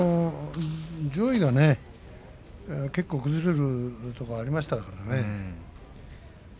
上位が結構、崩れるところがありましたからね。